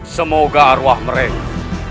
semoga arwah mereka